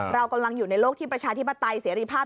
เรากำลังอยู่ในโลกที่ประชาธิปไตยเสรีภาพ